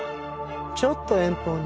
ちょっと遠方に。